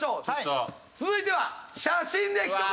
続いては写真で一言！